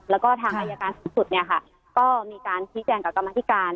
แล้วก็ทางอายการสูงสุดเนี่ยค่ะก็มีการชี้แจงกับกรรมธิการ